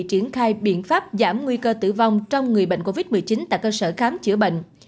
triển khai biện pháp giảm nguy cơ tử vong trong người bệnh covid một mươi chín tại cơ sở khám chữa bệnh